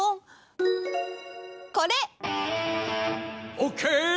オッケー！